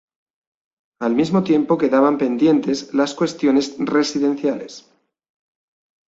Al mismo tiempo quedaban pendientes las cuestiones residenciales.